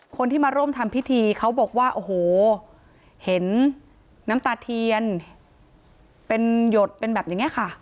คนที่มาร่วมทำพิธีเขาบอกว่าโอ้โหเห็นน้ำตาเทียนเป็นหยดเป็นแบบอย่างนี้ค่ะ